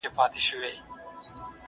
آیینه کي چي انسان دی،